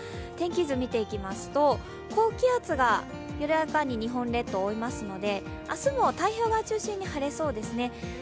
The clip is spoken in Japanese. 天気図を見ていきますと高気圧が緩やかに日本列島を覆いますので明日も太平洋側を中心に晴れそうですね。